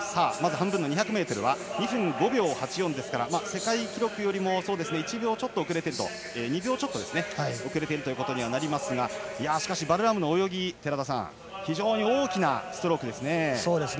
２００ｍは２分５秒８４ですから世界記録よりも２秒ちょっと遅れているということになりますがしかしバルラームの泳ぎ寺田さん、非常に大きなストロークですね。